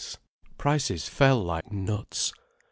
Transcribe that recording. Prices fell like nuts.